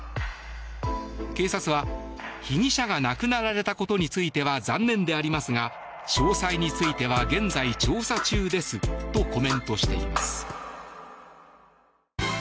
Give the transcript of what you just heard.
警察は、被疑者が亡くなられたことについては残念でありますが詳細については現在調査中ですとコメントしています。